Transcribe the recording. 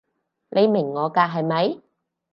你明我㗎係咪？